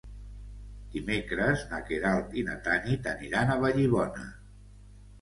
Dimecres na Queralt i na Tanit aniran a Vallibona.